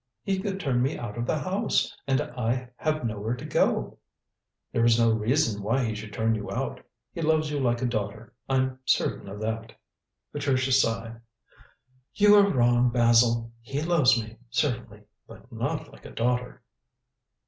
"He could turn me out of the house, and I have nowhere to go." "There is no reason why he should turn you out. He loves you like a daughter. I'm certain of that." Patricia sighed. "You are wrong, Basil. He loves me, certainly, but not like a daughter."